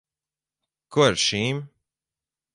Ko ar šīm?